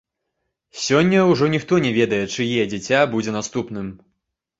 Сёння ўжо ніхто не ведае, чые дзіця будзе наступным.